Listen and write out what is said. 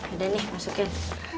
udah nih masukin